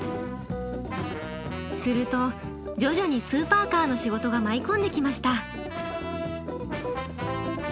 すると徐々にスーパーカーの仕事が舞い込んできました。